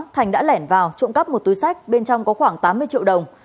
thành đã lẻn vào trộm cắp một túi sách bên trong có khoảng tám mươi triệu đồng